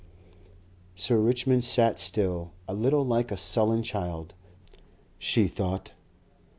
Sir Richmond sat still, a little like a sullen child, she thought.